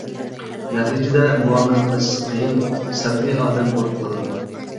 نەتىجىدە مۇئامىلە قىلىش قىيىن سەلبىي ئادەم بولۇپ قالىدۇ.